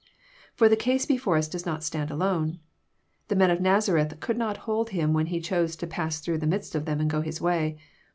For the case before us does not stand alone. The men of Nazareth could not hold Him when He chose to '^ pass through the midst of them and go His way."